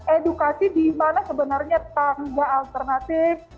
edukasi di mana sebenarnya tangga alternatif